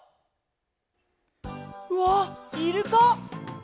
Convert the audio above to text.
わっイルカ！